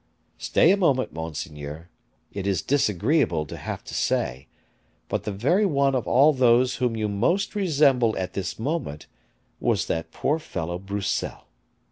Stay a moment, monseigneur, it is disagreeable to have to say, but the very one of all those whom you most resemble at this moment was that poor fellow Broussel.